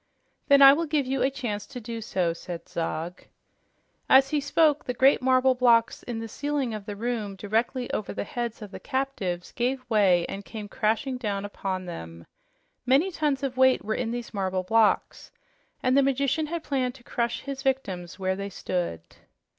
"Then I will give you a chance to do so," said Zog. As he spoke, the great marble blocks in the ceiling of the room directly over the heads of the captives gave way and came crashing down upon them. Many tons of weight were in these marble blocks, and the magician had planned to crush his victims where they stood.